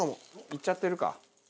いっちゃってるか？